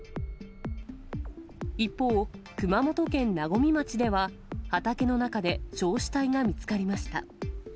一方、熊本県和水町では畑の中で焼死体が見つかりました。